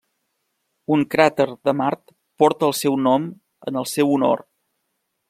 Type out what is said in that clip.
Un cràter de Mart porta el seu nom en el seu honor.